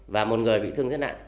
và một người bị thương thế nạn